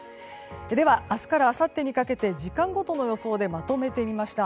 では、明日からあさってにかけて時間ごとの予想でまとめてみました。